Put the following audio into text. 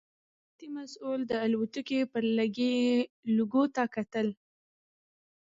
زموږ امنیتي مسوول د الوتکې پر لکۍ لوګو ته کتل.